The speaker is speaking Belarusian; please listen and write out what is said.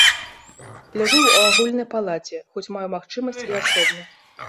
Ляжу ў агульнай палаце, хоць маю магчымасць і асобна.